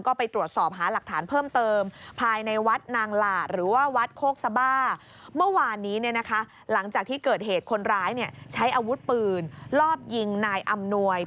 ก็ไปตรวจสอบหาหลักฐานเพิ่มเติม